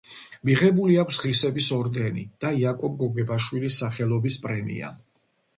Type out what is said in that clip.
მიღებული აქვს ღირსების ორდენი და იაკობ გოგებაშვილის სახელობის პრემია.